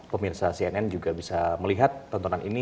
pemirsa cnn juga bisa melihat tontonan ini